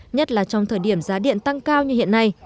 nhất là trong thời điểm giá điện tăng cao như hiện nay